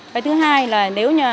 và thứ hai là nếu